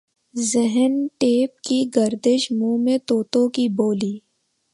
ذہن ٹیپ کی گردش منہ میں طوطوں کی بولی